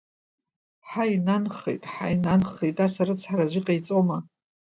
Ҳаи, нанхеит, ҳаи, нанхеит, ас арыцҳара аӡәы иҟаиҵома…